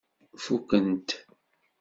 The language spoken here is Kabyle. Fukkent-t?